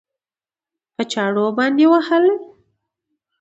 په چاړو باندې وهلى؟